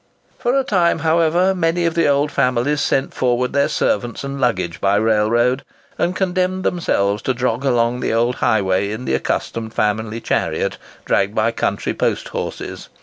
For a time, however, many of the old families sent forward their servants and luggage by railroad, and condemned themselves to jog along the old highway in the accustomed family chariot, dragged by country post horses.